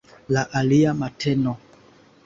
La alia mateno.